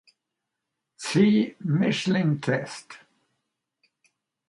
See Mischling Test.